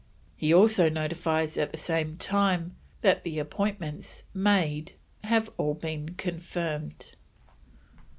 He also notifies at the same time that the appointments made have all been confirmed.